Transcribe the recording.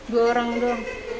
dua orang doang